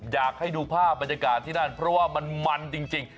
อยากให้ดูภาพบรรยากาศที่นั่นเพราะว่ามันมันจริง